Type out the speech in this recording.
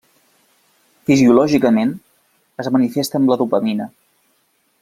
Fisiològicament, es manifesta amb la dopamina.